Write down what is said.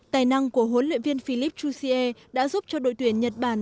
tài năng của huấn luyện viên philippe jouzier đã giúp cho đội tuyển nhật bản